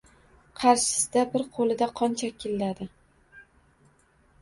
Qarshisida bir qo‘lida qon chakilladi.